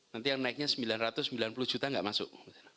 nanti yang naiknya sembilan ratus sembilan puluh juta nggak masuk